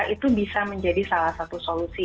itu bisa menjadi salah satu solusi